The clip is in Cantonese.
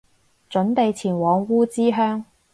準備前往烏之鄉